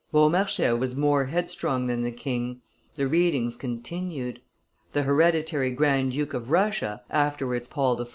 Beaumarchais was more headstrong than the king; the readings continued. The hereditary grand duke of Russia, afterwards Paul I.